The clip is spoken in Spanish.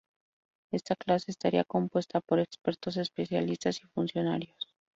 Esta clase estaría compuesta por expertos, especialistas y funcionarios.